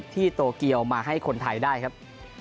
ที่โตเกียวมาให้คนไทยได้ครับ